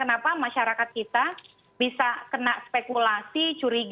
karena kenapa masyarakat kita bisa kena spekulasi curiga lagi